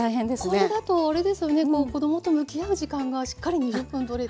これだとあれですよね子どもと向き合う時間がしっかり２０分とれて。